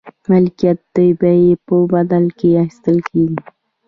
ملکیت د بیې په بدل کې اخیستل کیږي.